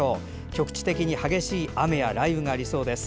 局地的に激しい雨や雷雨がありそうです。